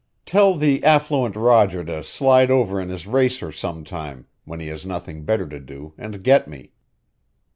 "Tell the affluent Roger to slide over in his racer sometime when he has nothing better to do and get me."